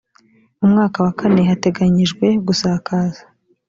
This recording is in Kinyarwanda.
mu mwaka wa kane hateganyijwe gusakaza